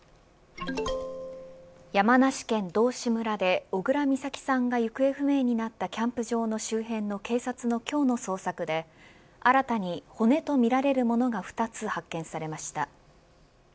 山梨県道志村で小倉美咲さんが行方不明になったキャンプ場の周辺の警察の今日の捜索で新たに骨とみられるものが２つ発見されました。